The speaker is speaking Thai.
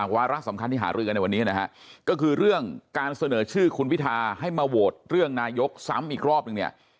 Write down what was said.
วาระสำคัญที่หารือกันในวันนี้นะฮะก็คือเรื่องการเสนอชื่อคุณพิทาให้มาโหวตเรื่องนายกซ้ำอีกรอบนึงเนี่ย